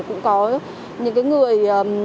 cũng có những cái người